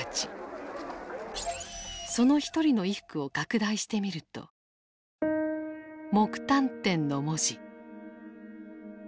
その一人の衣服を拡大してみると「木炭店」の文字。